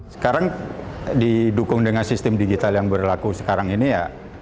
sekarang didukung dengan sistem digital yang berlaku sekarang ini ya